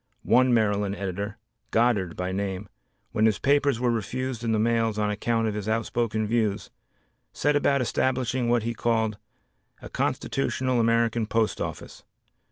One Maryland editor, Goddard by name, when his papers were refused in the mails on account of his outspoken views, set about establishing what he called "A Constitutional American Post Office."